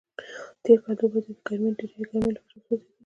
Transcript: تېر کال دوبی د ډېرې ګرمۍ له وجې وسوځېدلو.